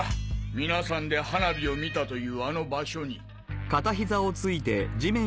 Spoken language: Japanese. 皆さんで花火を見たというあの場所に。